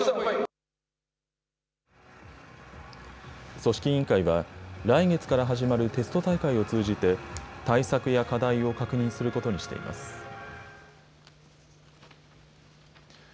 組織委員会は、来月から始まるテスト大会を通じて、対策や課題を確認することにしています。